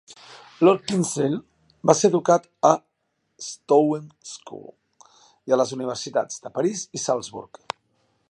Lord Kingsale va ser educat a l'Stowe School, i a les universitats de París i Salzburg.